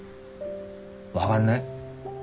分がんない。